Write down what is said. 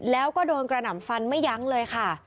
แล้วก็โดนกระหน่ำฟันไม่ยั้งเลยค่ะ